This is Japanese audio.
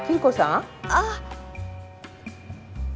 あっ。